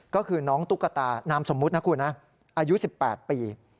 ก็คือน้องตุ๊กตานามสมมุตินะคุณนะอายุ๑๘ปี